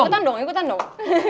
ikutan dong ikutan dong